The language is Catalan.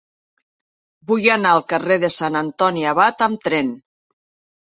Vull anar al carrer de Sant Antoni Abat amb tren.